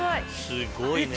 すごいね。